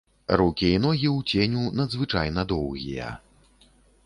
Рукі і ногі ў ценю надзвычайна доўгія.